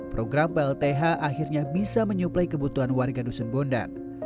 program plth akhirnya bisa menyuplai kebutuhan warga dusun bondan